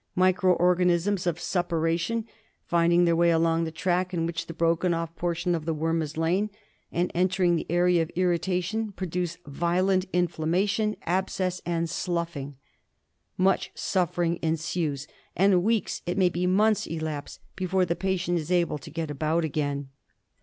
Micro organisms of suppuration finding their way along the track in which the broken off portion of worm had lain, and entering the area of irritation, produce violent inflammation, abscess, and sloughing. Much suffering ensues, and weeks, it may be months, elapse before the patient is able to get about again.